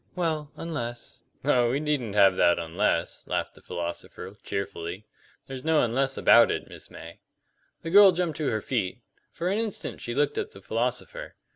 "Well, unless " "Oh, we needn't have that 'unless,'" laughed the philosopher, cheerfully. "There's no 'unless' about it, Miss May." The girl jumped to her feet; for an instant she looked at the philosopher.